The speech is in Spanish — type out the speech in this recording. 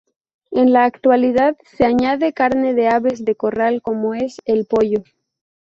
En la actualidad se añade carne de aves de corral como es el pollo.